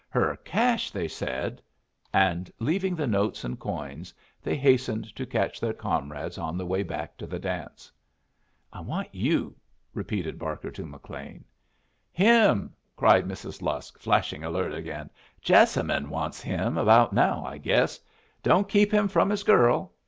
"Her cash," they said. And leaving the notes and coins, they hastened to catch their comrades on the way back to the dance. "I want you," repeated Barker to McLean. "Him!" cried Mrs. Lusk, flashing alert again. "Jessamine wants him about now, I guess. Don't keep him from his girl!"